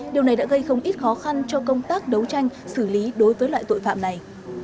điều này đã gây không ít khó khăn cho công tác đấu tranh xử lý đối với loại tội phạm này